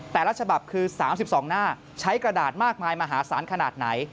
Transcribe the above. แต่ละฉบับคือ๓๒หน้าใช้กระดาษมากมายมหาศาลขนาดไหน